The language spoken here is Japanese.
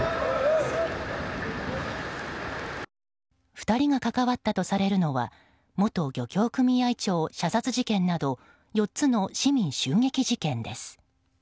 ２人が関わったとされるのは元漁業組合長射殺事件など４つの市民襲撃事件です。